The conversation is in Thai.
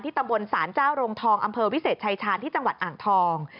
ตำบลศาลเจ้าโรงทองอำเภอวิเศษชายชาญที่จังหวัดอ่างทอง